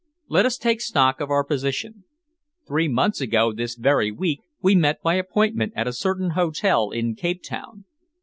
Let us take stock of our position. Three months ago this very week, we met by appointment at a certain hotel in Cape Town."